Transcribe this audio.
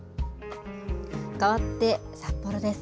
かわって、札幌です。